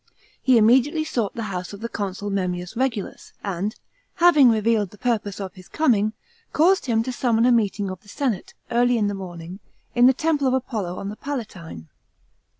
He immediately sought the house of the consul Memmius Hegulus, and, having revealed the purpose of his coming, caused him to summon a meeting of the senate, early in the morning, in the teni| le of Apollo on the Palatine.